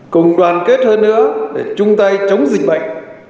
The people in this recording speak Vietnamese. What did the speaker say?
cùng đoàn kết hơn nữa để chung tay chống dịch bệnh